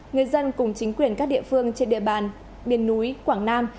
người dân cùng chính quyền các địa phương trên địa bàn biên núi quảng nam